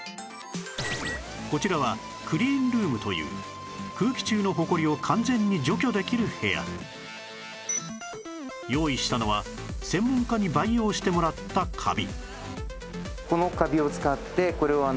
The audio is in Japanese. こちらはクリーンルームという空気中のほこりを完全に除去できる部屋用意したのは専門家に培養してもらったカビ